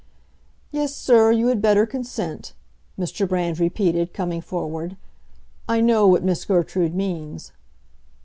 "Yes, sir, you had better consent," Mr. Brand repeated, coming forward. "I know what Miss Gertrude means."